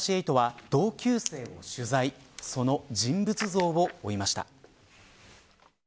めざまし８は同級生を取材その人物像を追いました。